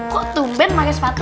kok tumben pakai sepatu